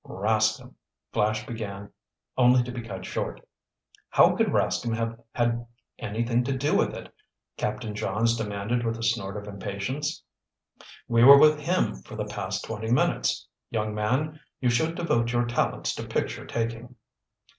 "Rascomb—" Flash began only to be cut short. "How could Rascomb have had anything to do with it?" Captain Johns demanded with a snort of impatience. "We were with him for the past twenty minutes. Young man, you should devote your talents to picture taking."